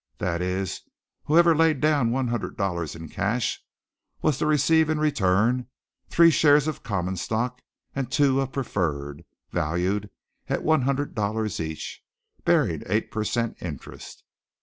That is, whoever laid down one hundred dollars in cash was to receive in return three shares of common stock and two of preferred, valued at one hundred dollars each, bearing eight per cent. interest.